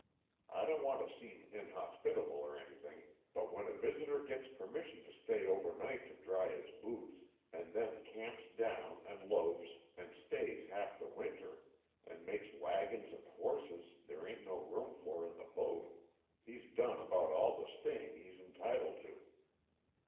I don't want to seem inhospitable or anything, but when a visitor gets permission to stay over night to dry his boots, and then camps down, and loafs, and stays half the winter, and makes wagons and horses there ain't no room for in the boat, he's done about all the staying he's entitled to."